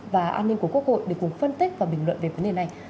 và an ninh của quốc hội để cùng phân tích và bình luận về vấn đề này